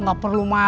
nggak perlu marah ya